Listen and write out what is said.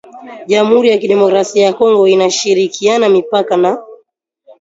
jamhuri ya kidemokrasia ya Kongo inashirikiana mipaka na